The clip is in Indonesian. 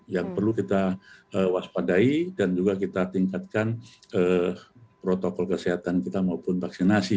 yang perlu kita waspadai dan juga kita tingkatkan protokol kesehatan kita maupun vaksinasi